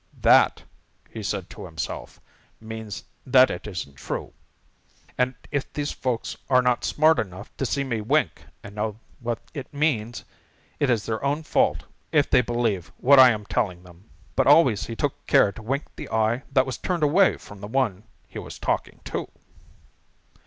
'That,' said he to himself, 'means that it isn't true, and if these folks are not smart enough to see me wink and know what it means, it is their own fault if they believe what I am telling them.' But always he took care to wink the eye that was turned away from the one he was talking to.